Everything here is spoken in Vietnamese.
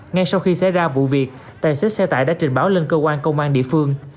ngay sau khi xảy ra vụ việc tài xế xe tải đã trình báo lên cơ quan công an địa phương